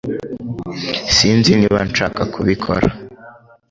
Sinzi niba nshaka kubikora